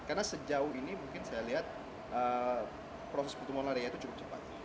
karena sejauh ini mungkin saya lihat proses pertumbuhan larinya itu cukup cepat